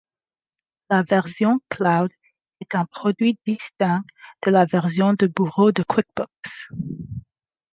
La version Cloud est un produit distinct de la version de bureau de QuickBooks.